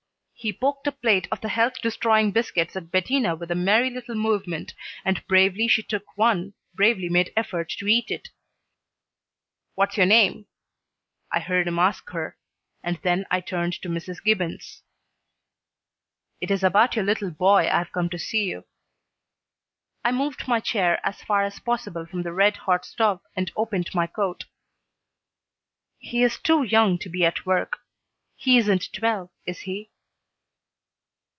He poked a plate of the health destroying biscuits at Bettina with a merry little movement, and bravely she took one, bravely made effort to eat it. "What's your name?" I heard him ask her, and then I turned to Mrs. Gibbons. "It is about your little boy I've come to see you." I moved my chair as far as possible from the red hot stove and opened my coat. "He is too young to be at work. He isn't twelve, is he?"